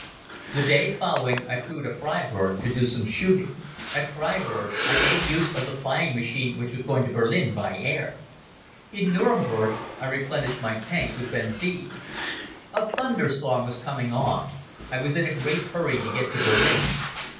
The day following I flew to Freiburg to do some shooting. At Freiburg I made use of the flying machine which was going to Berlin by air. In Nuremberg I replenished my tanks with benzine. A thunderstorm was coming on. I was in a great hurry to get to Berlin.